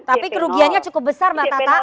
tapi kerugiannya cukup besar mbak tata